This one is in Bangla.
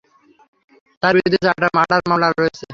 তার বিরুদ্ধে চারটা মাডার মামলা রয়েছে।